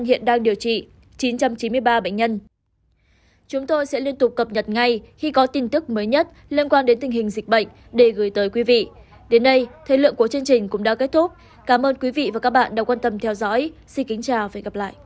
hãy đăng ký kênh để ủng hộ kênh của chúng mình nhé